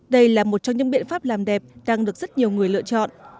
đây là một trong những biện pháp làm đẹp đang được rất nhiều người lựa chọn